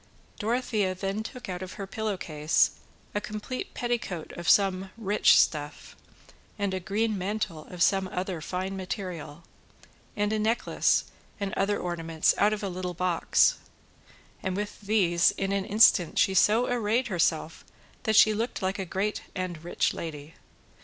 Dorothea then took out of her pillow case a complete petticoat of some rich stuff, and a green mantle of some other fine material, and a necklace and other ornaments out of a little box, and with these in an instant she so arrayed herself that she looked like a great and rich lady.